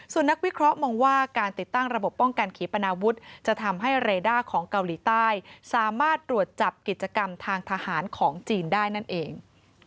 ส่วนนักวิเคราะห์มองว่าการติดตั้งระบบป้องกันขีปนาวุฒิจะทำให้เรด้าของเกาหลีใต้สามารถตรวจจับกิจกรรมทางทหารของจีนได้นั่นเอง